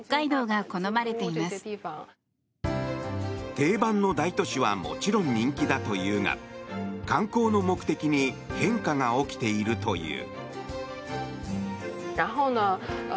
定番の大都市はもちろん人気だというが観光の目的に変化が起きているという。